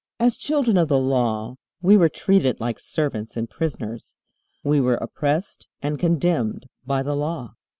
As children of the Law we were treated like servants and prisoners. We were oppressed and condemned by the Law.